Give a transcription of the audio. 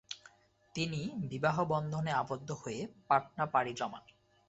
তিনি বিবাহবন্ধনে আবদ্ধ হয়ে পাটনা পাড়ি জমান।